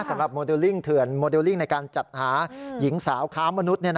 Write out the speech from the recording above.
สำหรับโมเดลลิ่งเถื่อนโมเดลลิ่งในการจัดหาหญิงสาวค้ามนุษย์